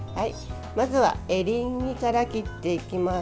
まずはエリンギから切っていきます。